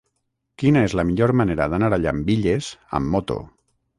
Quina és la millor manera d'anar a Llambilles amb moto?